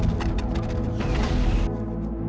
saya itu suamimu